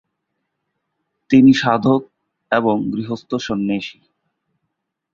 তিনি সাধক এবং গৃহস্থ সন্ন্যাসী।